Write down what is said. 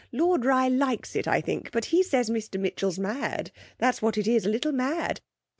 Lord Rye likes it, I think, but he says Mr Mitchell's mad that's what it is, a little mad.